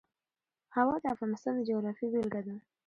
هوا د افغانستان د جغرافیې بېلګه ده.